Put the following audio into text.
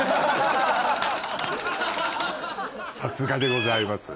さすがでございます。